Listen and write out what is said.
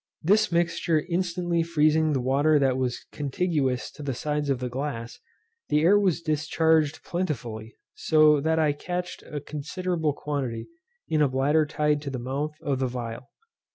This mixture instantly freezing the water that was contiguous to the sides of the glass, the air was discharged plentifully, so that I catched a considerable quantity, in a bladder tied to the mouth of the phial.